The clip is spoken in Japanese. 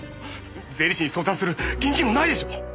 税理士に相談する現金もないでしょう？